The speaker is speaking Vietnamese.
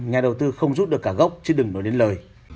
nhà đầu tư không rút được cả gốc chứ đừng nói đến lời